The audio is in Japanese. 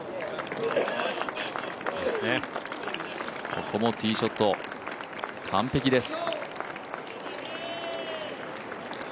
ここもティーショット完璧です。